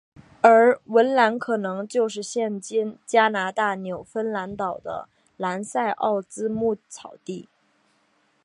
而文兰可能就是现今加拿大纽芬兰岛的兰塞奥兹牧草地。